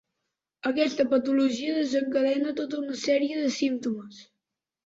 Aquesta patologia desencadena tota una sèrie de símptomes.